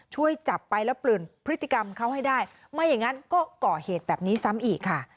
ช่วยจับไปแล้วเปลี่ยนพฤติกรรมเขาให้ได้ไม่อย่างนั้นก็ก่อเหตุแบบนี้ซ้ำอีกค่ะ